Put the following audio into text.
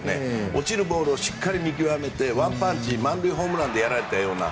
落ちるボールを見極めてワンパンチ、満塁ホームランでやられたような。